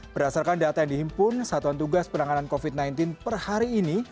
berdasarkan data yang dihimpun satuan tugas penanganan covid sembilan belas per hari ini